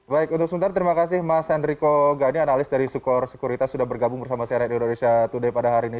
baik untuk sementara terima kasih mas hendriko gani analis dari sukor sekuritas sudah bergabung bersama saya di indonesia today pada hari ini